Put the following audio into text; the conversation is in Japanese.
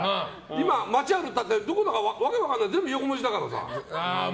今、街歩いてたってどこだか訳分からない全部、横文字だからさ。